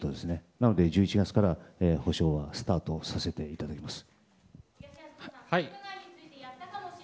なので、１１月から補償はスタートさせていただきます。